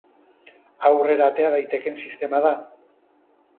Aurrera atera daitekeen sistema da?